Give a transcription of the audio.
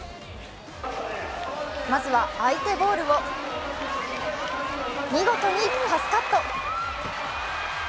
まずは相手ボールを見事にパスカット。